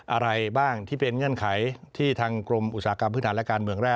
อะไรบ้างที่เป็นเงื่อนไขที่ทางกรมอุตสาหกรรมพื้นฐานและการเมืองแร